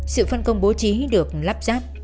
sự phân công bố trí được lắp giáp